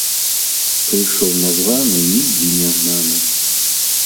Прыйшоў нязваны і йдзі нягнаны